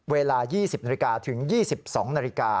เวลา๒๐นถึง๒๒น